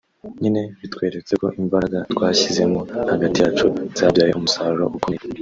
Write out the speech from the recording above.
nyine bitweretse ko imbaraga twashyizemo hagati yacu zabyaye umusaruro ukomeye